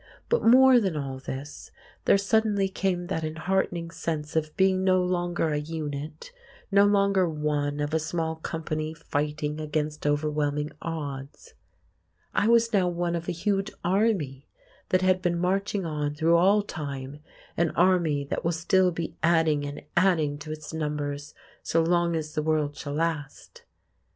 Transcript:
But more than all this, there suddenly came that enheartening sense of being no longer a unit, no longer one of a small company fighting against overwhelming odds; I was now one of a huge army that had been marching on through all time, an army that will still be adding and adding to its numbers, so long as the world shall last.